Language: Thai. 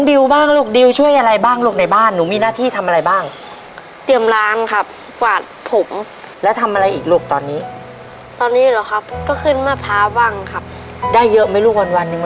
ได้เยอะมั้ยลูกวันเนี่ยแล้วก็ช่วยรู้ครับ